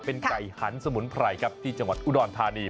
เป็นไก่หันสมุนไพรครับที่จังหวัดอุดรธานี